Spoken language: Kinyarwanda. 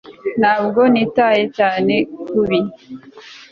Ntabwo nitaye cyane kubi